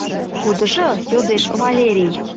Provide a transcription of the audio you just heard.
— Кудыжо? — йодеш Валерий.